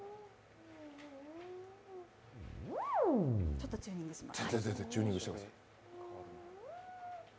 ちょっとチューニングします。